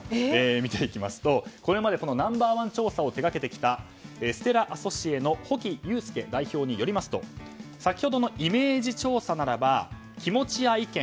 見ていきますと、これまでこのナンバー１調査を手がけてきたステラアソシエの保木さんによりますと先ほどのイメージ調査ならば気持ちや意見